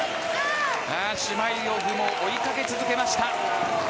シュマイロフも追いかけ続けました。